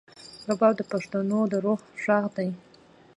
رباب د پښتنو د روح غږ دی.